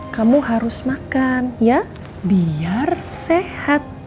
kamu harus makan ya biar sehat